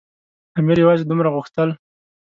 امیر یوازې دومره غوښتل.